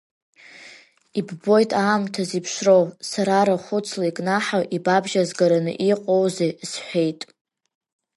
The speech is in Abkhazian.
Иббоит аамҭа зеиԥшроу, сара рахәыцла икнаҳау ибабжьазгараны иҟоузеи, — сҳәеит.